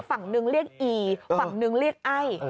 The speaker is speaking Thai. ฝั่งหนึ่งเรียกอีฝั่งหนึ่งเรียกไอ้